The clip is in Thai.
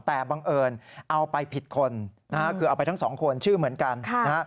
แต่บังเอิญเอาไปผิดคนนะฮะคือเอาไปทั้งสองคนชื่อเหมือนกันนะฮะ